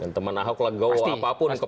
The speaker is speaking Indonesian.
teman ahok lah gue mau apapun keputusan ahok